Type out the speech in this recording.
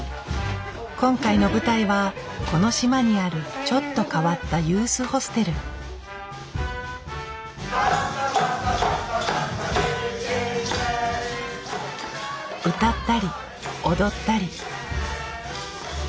今回の舞台はこの島にあるちょっと変わった歌ったり踊ったり。